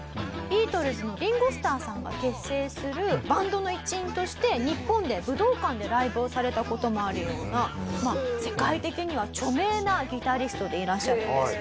ビートルズのリンゴ・スターさんが結成するバンドの一員として日本で武道館でライブをされた事もあるような世界的には著名なギタリストでいらっしゃるんです。